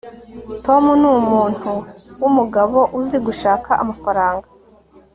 tom numuntu wumugabo uzi gushaka amafaranga